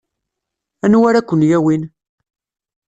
Anwa ara ken-yawin?